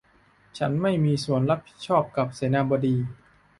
ฉันไม่มีส่วนรับผิดชอบกับเสนาบดี